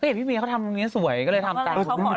ก็เจอพี่เมียทำตรงนี้สวยก็เลยทำตรงนี้